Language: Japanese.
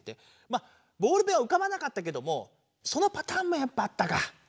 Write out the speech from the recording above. まあボールペンはうかばなかったけどもそのパターンもやっぱあったか。